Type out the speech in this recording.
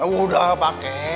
ya udah pakai